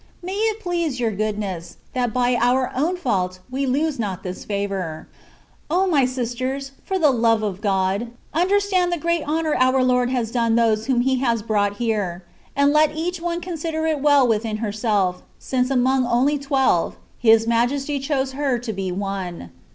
May it please your Goodness, that by our own fault we lose not this favour. O ! my sisters, for the love of God, understand the great honour our Lord has done those whom He has brought here ; and let each one consider it well within herself, since among only twelve, His Majesty chose her to be one.